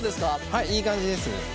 はいいい感じです。